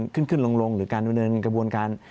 ขึ้นขึ้นลงหรือการดำเนินกระบวนการ